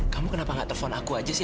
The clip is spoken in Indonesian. kamu kenapa gak telpon aku aja sih